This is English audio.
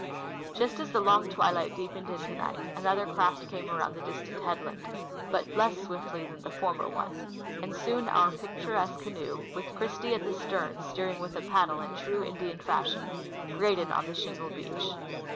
Just as the long twilight deepened into night, another craft came around the distant headland, but less swiftly than the /ormer one ; and soon our picturesque canoe, Avith Christie at the stern steering with a paddle in true Indian fashion, grated on the shingle beach.